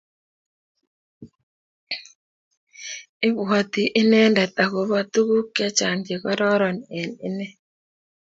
Ibwoti inendet akobo tuguuk chechang chekororon eng inee